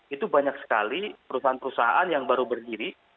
itu banyak sekali perusahaan perusahaan yang baru berdiri